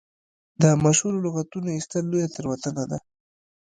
د مشهورو لغتونو ایستل لویه تېروتنه ده.